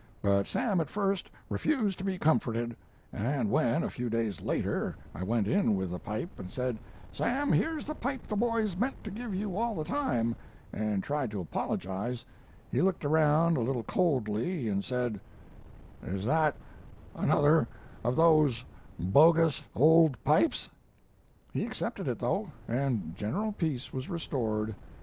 But Sam at first refused to be comforted; and when, a few days later, I went in with the pipe and said, 'Sam, here's the pipe the boys meant to give you all the time,' and tried to apologize, he looked around a little coldly, and said: "'Is that another of those bogus old pipes?' "He accepted it, though, and general peace was restored.